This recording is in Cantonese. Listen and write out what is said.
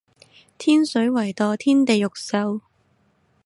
天水圍墮天地獄獸